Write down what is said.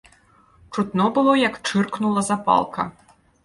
Чутно было, як чыркнула запалка.